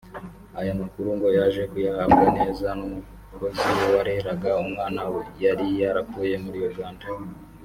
Aya makuru ngo yaje kuyahabwa neza n’umukozi wareraga umwana yari yarakuye muri Uganda